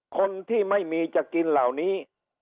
คนที่ไม่มีจะกินเหล่านี้